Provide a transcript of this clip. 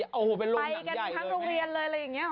ไปทั้งโรงเรียนเลยอะไรอย่างนี้เหรอ